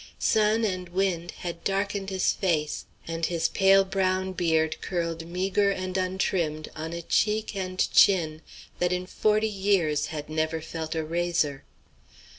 Sun and wind had darkened his face, and his pale brown beard curled meagre and untrimmed on a cheek and chin that in forty years had never felt a razor.